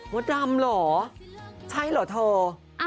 ดำเหรอใช่เหรอเธอ